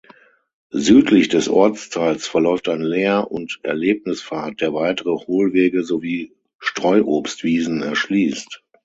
Südlich des Ortsteils verläuft ein Lehr- und Erlebnispfad, der weitere Hohlwege sowie Streuobstwiesen erschließt.